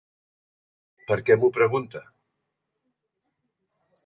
Per què m'ho pregunta?